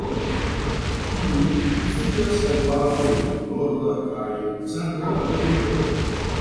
Ĝi uziĝas en partoj de Norda kaj Centra Ameriko.